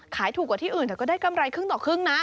ขายถูกกว่าที่อื่นแต่ก็ได้กำไรครึ่งต่อครึ่งนะ